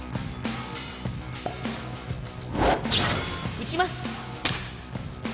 撃ちます